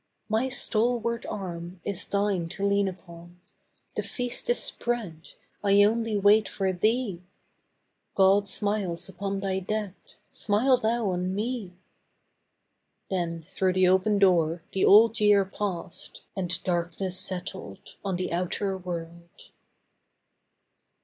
My stalwart arm is thine to lean upon; The feast is spread, I only wait for thee; God smiles upon thy dead, smile thou on me.' Then through the open door the Old Year passed And darkness settled on the outer world.